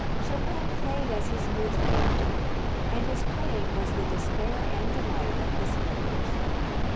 Chopin played as his moods prompted, and his playing was the despair and delight of his hearers.